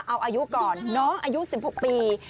เอาอายุก่อนน้องอายุ๑๖ปี